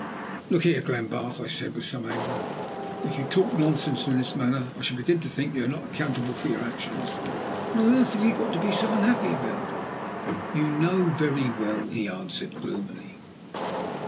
"Look here, Glenbarth," I said with some anger, "if you talk nonsense in this manner, I shall begin to think that you are not accountable for your actions. What on earth have you to be so unhappy about?" "You know very well," he answered gloomily.